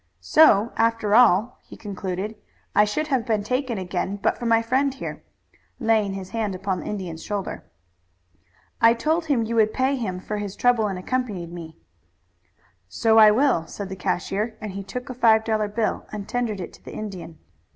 "So, after all," he concluded, "I should have been taken again but for my friend here," laying his hand upon the Indian's shoulder. "I told him you would pay him for his trouble in accompanying me." "So I will," said the cashier, and he took a five dollar bill and tendered it to the Indian.